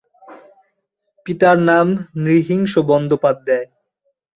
পিতার নাম নৃসিংহ বন্দ্যোপাধ্যায়।